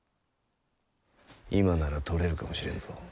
今なら取れるかもしれんぞ。